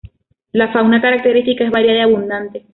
La fauna característica es variada y abundante.